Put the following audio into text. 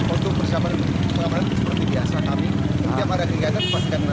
untuk persiapan seperti biasa kami tiap ada keinginan masyarakat keamanan